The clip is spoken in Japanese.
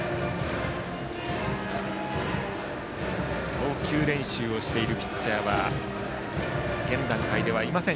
投球練習をしているピッチャーは現段階ではいません